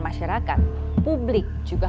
masyarakat publik juga